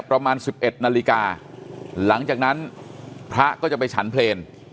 ประมาณ๑๑นาฬิกาหลังจากนั้นพระก็จะไปฉันเพลง